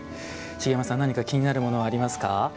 何か気になるものはありますか？